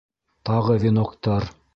Тағы веноктар.